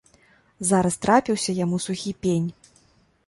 Зараз трапіўся яму сухі пень.